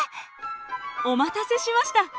お待たせしました！